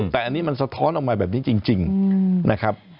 แต่อันนี้มันสะท้อนออกมาแบบนี้จริงนะครับ